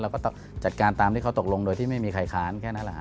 ก็ต้องจัดการตามที่เขาตกลงโดยที่ไม่มีใครค้านแค่นั้นแหละฮ